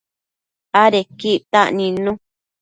Adequi ictac nidnu